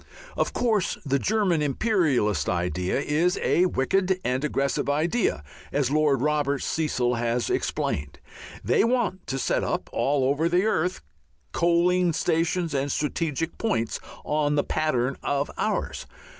Of course the German imperialist idea is a wicked and aggressive idea, as Lord Robert Cecil has explained; they want to set up all over the earth coaling stations and strategic points, _on the pattern of ours.